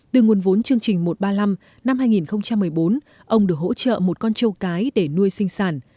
từ nguồn vốn chương trình một trăm ba mươi năm năm hai nghìn một mươi bốn ông được hỗ trợ một con trâu cái để nuôi sinh sản